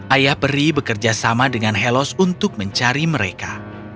ayah peri bekerja sama dengan helos untuk mencari mereka